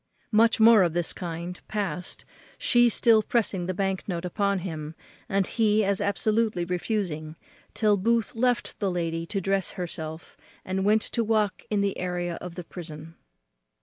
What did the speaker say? Much more of this kind past, she still pressing the bank note upon him, and he as absolutely refusing, till Booth left the lady to dress herself, and went to walk in the area of the prison.